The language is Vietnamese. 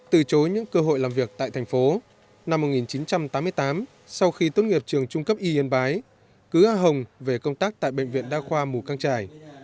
từ chối những cơ hội làm việc tại thành phố năm một nghìn chín trăm tám mươi tám sau khi tốt nghiệp trường trung cấp y yên bái cứ a hồng về công tác tại bệnh viện đa khoa mù căng trải